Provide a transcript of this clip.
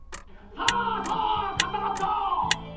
さあさあ買った買った！